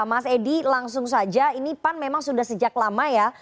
mas edi langsung saja ini pan memang sudah sejak lama ya